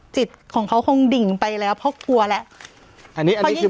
จิตของเขาคงดิ่งไปแล้วเพราะกลัวแล้วอันนี้อันนี้คือ